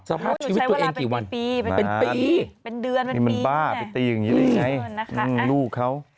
สามารถอยู่ชีวิตตัวเองกี่วันเป็นปีเป็นเดือนเป็นปีนี่แหละนี่มันบ้าไปตีอย่างนี้เลยไงลูกเขา